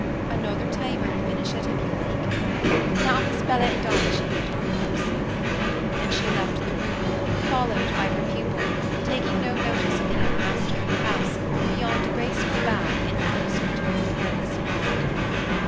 "Another time I will finish it, if you like. Now Miss Bella and I should be at our books." And she left the room, followed by her pupil, taking no notice of the young master of the house, beyond a graceful bow in answer to his careless nod.